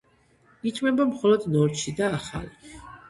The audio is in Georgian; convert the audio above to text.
იჭმება მხოლოდ ნორჩი და ახალი.